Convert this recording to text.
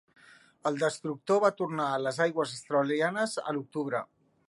El destructor va tornar a les aigües australianes a l'octubre.